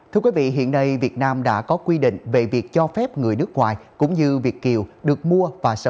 thưa quý vị hiện nay việt nam đã có quy định về việc cho phép người nước ngoài cũng như việt kiều được mua và sở hữu nhà tại việt nam